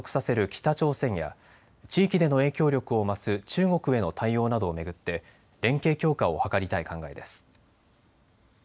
北朝鮮や地域での影響力を増す中国への対応などを巡って連携強化を図りたい考えです。